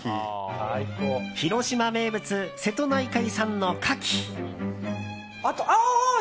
広島名物、瀬戸内海産のカキ！